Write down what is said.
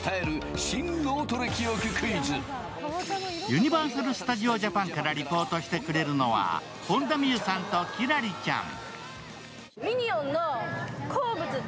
ユニバーサル・スタジオ・ジャパンからリポートしてくれるのは本田望結さんと輝星ちゃん。